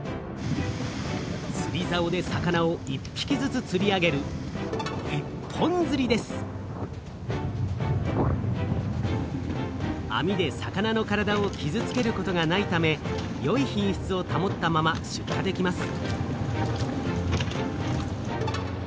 つりざおで魚を一ぴきずつつり上げるあみで魚の体をきずつけることがないためよい品しつをたもったまま出荷できます。